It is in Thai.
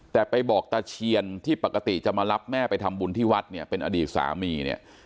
แต่ไปบอกตะเชียนที่ปกติจะมารับแม่ไปทำบุญที่วัดเนี่ยเป็นอดีตสามีเนี่ย